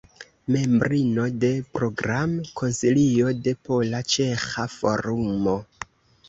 Membrino de Program-Konsilio de Pola-Ĉeĥa Forumo.